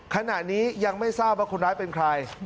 ขณะนี้ยังไม่ทราบว่าคนร้ายเป็นใคร